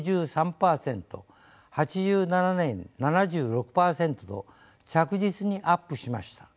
８７年７６％と着実にアップしました。